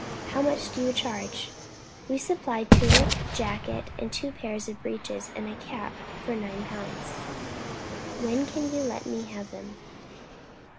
"How much do you charge?" "We supply tunic, jacket, and two pairs of breeches, and cap, for nine pounds." "When can you let me have them?"